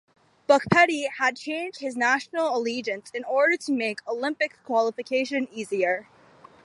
Boukpeti had changed his national allegiance in order to make Olympic qualification easier.